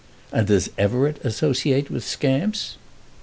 And does Everett associate with scamps?"